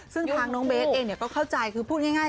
ซึ่งทางน้องเบสเองก็เข้าใจคือพูดง่าย